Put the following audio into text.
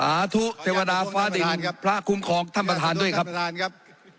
สาธุเจวดาฟ้าดิงพระคุมของท่านประธานด้วยครับ